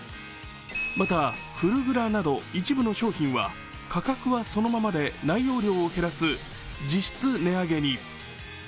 また、フルグラなど一部の商品は価格はそのままで内容量を減らす、実質値上げに。